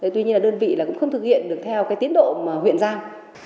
tuy nhiên là đơn vị là cũng không thực hiện được theo cái tiến độ mà huyện giao